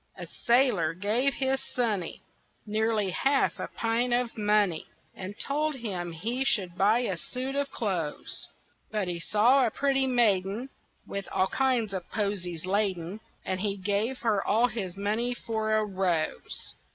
A sailor gave his sonny Nearly half a pint of money And told him he should buy a suit of clothes; But he saw a pretty maiden With all kinds of posies laden, And he gave her all his money for a rose.